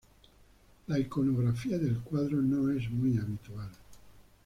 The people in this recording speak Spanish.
La iconografía del cuadro no es muy habitual.